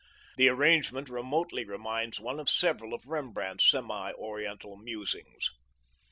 The arrangement remotely reminds one of several of Rembrandt's semi oriental musings.